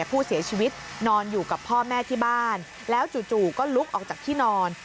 ผู้เสียชีวิตนอนอยู่กับพ่อแม่ที่บ้านแล้วจู่ก็ลุกออกจากที่นอน